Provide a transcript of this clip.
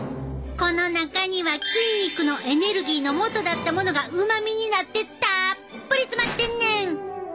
この中には筋肉のエネルギーのもとだったものがうまみになってたっぷり詰まってんねん！